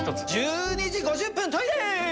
１２時５０分トイレ！